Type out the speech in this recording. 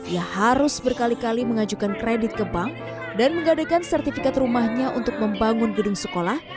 ia harus berkali kali mengajukan kredit ke bank dan menggadekan sertifikat rumahnya untuk membangun gedung sekolah